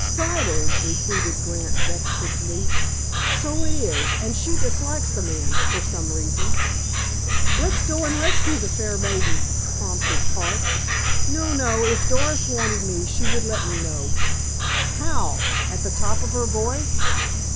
"Siddle!" repeated Grant vexedly. "So it is. And she dislikes the man, for some reason." "Let's go and rescue the fair maid," prompted Hart. "No, no. If Doris wanted me she would let me know." "How? At the top of her voice?"